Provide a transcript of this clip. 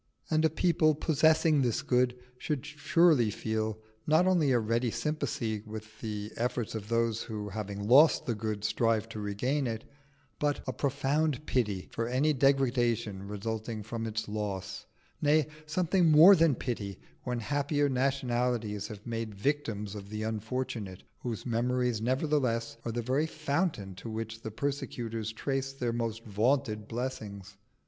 And a people possessing this good should surely feel not only a ready sympathy with the effort of those who, having lost the good, strive to regain it, but a profound pity for any degradation resulting from its loss; nay, something more than pity when happier nationalities have made victims of the unfortunate whose memories nevertheless are the very fountain to which the persecutors trace their most vaunted blessings.